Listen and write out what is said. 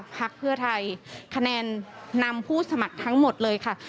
พักเพื่อไทยคะแนนนำผู้สมัครทั้งหมดเลยค่ะ